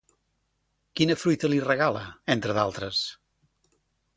Quina fruita li regala, entre d'altres?